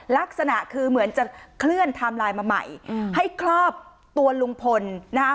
ลักษณะคือเหมือนจะเคลื่อนไทม์ไลน์มาใหม่ให้ครอบตัวลุงพลนะคะ